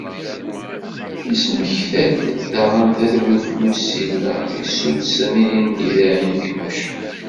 Yesmekta-d daɣen, tadwilt n usileɣ i d-suddsen ilindi deg Ɛin Timucent.